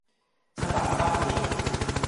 ฉบับอัปเดต